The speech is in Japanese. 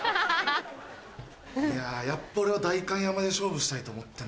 いややっぱ俺は代官山で勝負したいと思ってる。